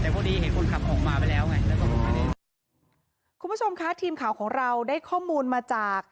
คุณผู้ชมค่ะทีมข่าวของเราได้ข้อมูลมาจาก